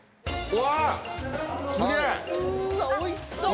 うわおいしそう。